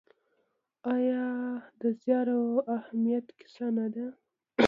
آیا د زیار او همت کیسه نه ده؟